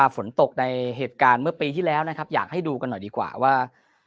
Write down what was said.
ฝนตกในเหตุการณ์เมื่อปีที่แล้วนะครับอยากให้ดูกันหน่อยดีกว่าว่า